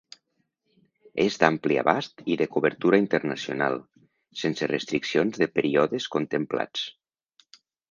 És d’ampli abast i de cobertura internacional, sense restriccions de períodes contemplats.